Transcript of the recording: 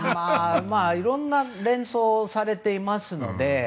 いろんな連想がされていますので。